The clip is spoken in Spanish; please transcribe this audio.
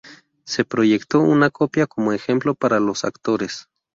Se proyectó una copia como ejemplo para los actores.